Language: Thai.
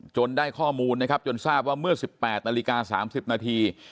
ได้ข้อมูลนะครับจนทราบว่าเมื่อ๑๘นาฬิกา๓๐นาที